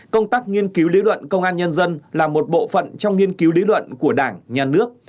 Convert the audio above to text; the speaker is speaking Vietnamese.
công tác nghiên cứu lý luận công an nhân dân là một bộ phận trong nghiên cứu lý luận của đảng nhà nước